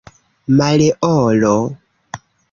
Maleolo